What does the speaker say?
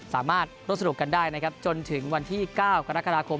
สามารถร่วมสนุกกันได้นะครับจนถึงวันที่๙กรกฎาคม